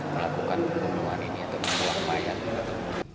melakukan pembunuhan ini atau menjaga mayat